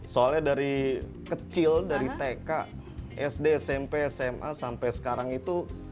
soalnya dari kecil dari tk sd smp sma sampai sekarang itu